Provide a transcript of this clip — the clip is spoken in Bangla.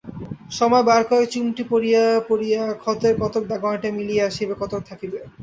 সময়ে বারকয়েক চুমটি পড়িয়া পড়িয়া ক্ষতের কতক দাগ অনেকটা মিলিয়া আসিবে, কতক থাকিবে।